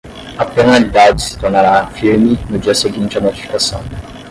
A penalidade se tornará firme no dia seguinte à notificação.